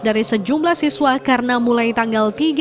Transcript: dari sejumlah siswa karena mulai tanggal tiga